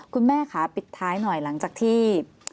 คุณแม่ค่ะปิดท้ายหน่อยหลังจากที่